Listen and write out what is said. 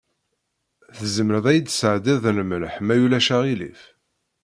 Tzemreḍ ad yi-d-tesɛeddiḍ lmelḥ, ma ulac aɣilif?